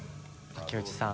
竹内さん。